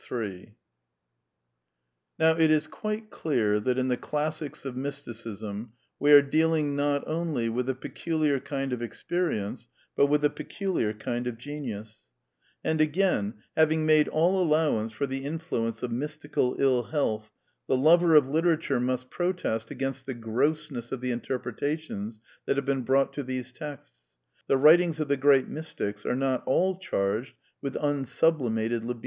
Ill Now it is quite clear that in the classics of Mysticism we are dealing n ot only with a peculiar kind of experienc e, but with a pe culiar kind of js:eniua[ And, again, leaving made all allowanc^^^r the ififluence of "mystical ill health," the lover of literature must protest against the grossness of the interpretations that have been brought to these texts. The writings of the great mystics are not ail charged with " unsublimated libido."